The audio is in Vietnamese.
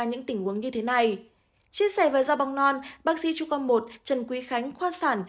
những tình huống như thế này chia sẻ về do bong non bác sĩ chú con một trần quý khánh khoa sản